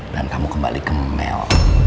dan kamu kembali ke mel